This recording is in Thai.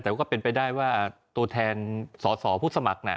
แต่ก็เป็นไปได้ว่าตัวแทนสอสอผู้สมัคร